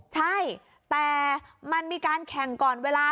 ใช่แต่มันมีการแข่งก่อนเวลา